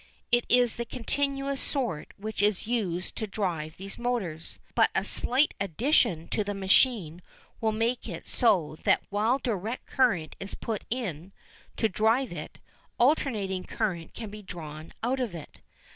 It is the continuous sort which is used to drive these motors, but a slight addition to the machine will make it so that while direct current is put in, to drive it, alternating current can be drawn out of it.